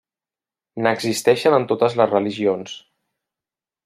N'existeixen en totes les religions.